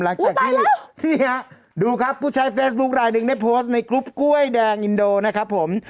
หูยไปแล้วดูครับผู้ชายเฟซบุ๊กรายหนึ่งได้โพสต์ในกลุ่มกล้วยแดงอินโดนะครับผม